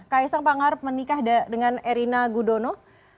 kahesang pangar menikah dengan erina gudono